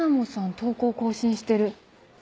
投稿更新してる。